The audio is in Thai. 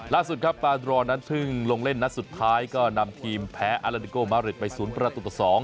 ล่าสุดครับปานรอนั้นเพิ่งลงเล่นนัดสุดท้ายก็นำทีมแพ้อาลาดิโกมาริดไป๐ประตูต่อ๒